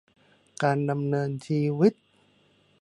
การดำเนินชีวิต